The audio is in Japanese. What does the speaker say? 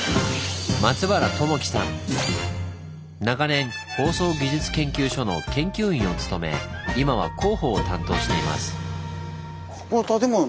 長年放送技術研究所の研究員を務め今は広報を担当しています。